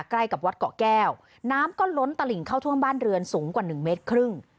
ใกล้กับวัดเกาะแก้วน้ำก็ล้นตลิ่งเข้าท่วมบ้านเรือนสูงกว่าหนึ่งเมตรครึ่ง